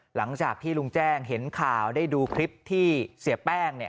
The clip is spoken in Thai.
หลังจากที่ลุงแจ้งเห็นข่าวได้ดูคลิปที่เสียแป้งเนี่ย